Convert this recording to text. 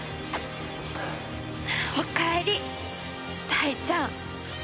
おかえり大ちゃん。